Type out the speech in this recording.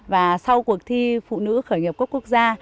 và sau cuộc thi phụ nữ khởi nghiệp cấp quốc gia